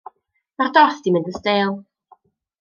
Mae'r dorth 'di mynd yn stêl.